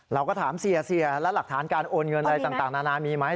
เราก็ถามเสียแล้วหลักฐานการโอนเงินอะไรต่างนานามีไหม